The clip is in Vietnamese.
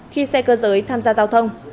khi xe cơ giới tham gia giao thông